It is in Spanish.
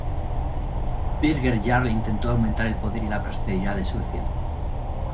Birger jarl intentó aumentar el poder y la prosperidad de Suecia.